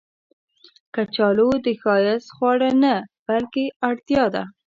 کچالو د ښایست خواړه نه، بلکې اړتیا ده